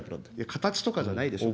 形とかじゃないでしょ。